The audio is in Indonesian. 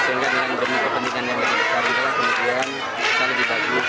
sehingga dengan kepentingan yang lebih besar kemudian saya lebih bagus